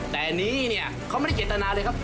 แต่อันนี้นี่เนี่ยเขาไม่ได้เจตนาเลยครับ